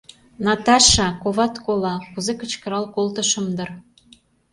«Наташа, коват кола!» — кузе кычкырал колтышым дыр.